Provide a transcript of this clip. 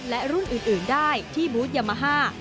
และรุ่นอื่นได้ที่บูธยามาฮ่า